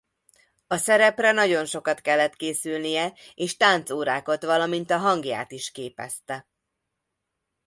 A szerepre nagyon sokat kellett készülnie és tánc órákat valamint a hangját is képezte.